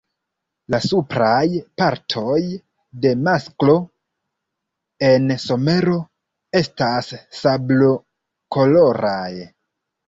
La supraj partoj de masklo en somero estas sablokoloraj.